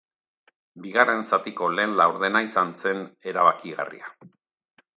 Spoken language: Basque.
Bigarren zatiko lehen laurdena izan zen erabakigarria.